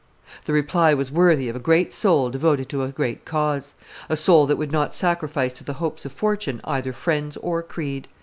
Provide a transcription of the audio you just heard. The reply was worthy of a great soul devoted to a great cause, a soul that would not sacrifice to the hopes of fortune either friends or creed.